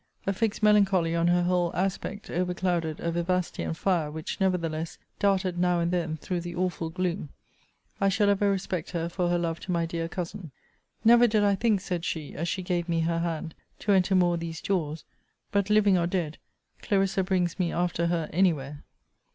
A fixed melancholy on her whole aspect, overclouded a vivacity and fire, which, nevertheless, darted now and then through the awful gloom. I shall ever respect her for her love to my dear cousin. Never did I think, said she, as she gave me her hand, to enter more these doors: but, living or dead, Clarissa brings me after her any where!